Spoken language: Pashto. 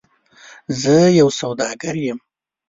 زه یو سوداګر یم .